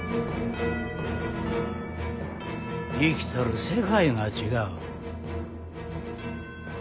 生きとる世界が違う。